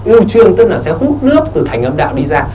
ưu trương tức là sẽ hút nước từ thành âm đạo đi ra